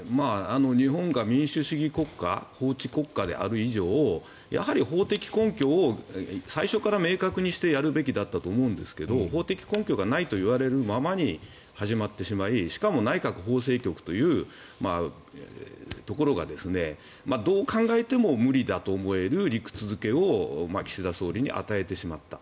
日本が民主主義国家法治国家である以上やはり法的根拠を最初から明確にしてやるべきだったと思うんですが法的根拠がないといわれるままに始まってしまいしかも内閣法制局というところがどう考えても無理だと思える理屈付けを岸田総理に与えてしまった。